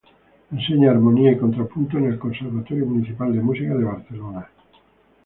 Enseña armonía y contrapunto en el Conservatorio Municipal de Música de Barcelona.